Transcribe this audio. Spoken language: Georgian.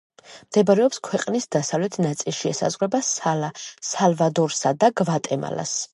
მდებარეობს ქვეყნის დასავლეთ ნაწილში; ესაზღვრება სალვადორსა და გვატემალას.